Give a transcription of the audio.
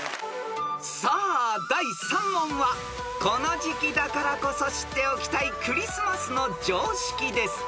［さあ第３問はこの時季だからこそ知っておきたいクリスマスの常識です］